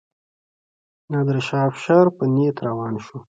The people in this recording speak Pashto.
نادرشاه افشار په نیت روان شو.